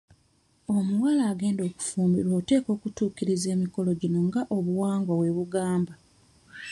Omuwala agenda okufumbirwa oteekwa okutuukiriza emikolo gino nga obuwangwa bwe bugamba.